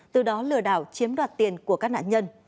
từ đó lừa đảo chiếm đoạt tiền của các nạn nhân